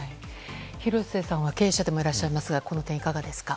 廣瀬さんは経営者でもいらっしゃいますがこの点いかがですか？